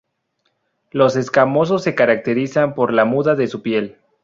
Los escamosos se caracterizan por la muda de su piel.